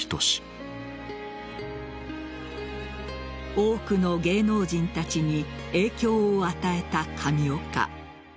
多くの芸能人たちに影響を与えた上岡。